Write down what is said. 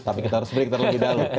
tapi kita harus beritahu lebih dahulu